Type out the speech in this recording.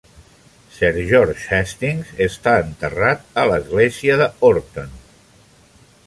Sir George Hastings està enterrat a l'església d'Horton.